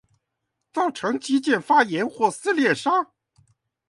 造成肌腱發炎或撕裂傷